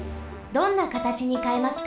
どんな形にかえますか？